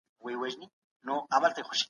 دا ستونزه تر هغې بلې لوی ده.